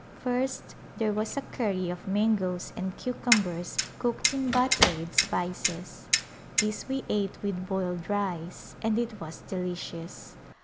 First there was a curry of mangoes and cucumbers cooked in butter with spices. This we ate with boiled rice, and it was delicious.